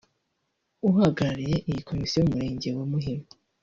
uhagarariye iyi komisiyo mu murenge wa Muhima